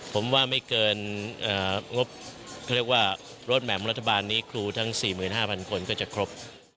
ผมว่าไม่เกินรถแหม่มรัฐบาลนี้ครูทั้ง๔๕๐๐๐คนก็จะครบ